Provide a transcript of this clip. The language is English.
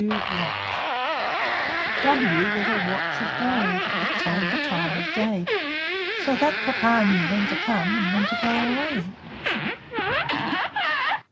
W W was a Watch of Gold: It told the time of day, So that Papa knew when to come, And when to go away.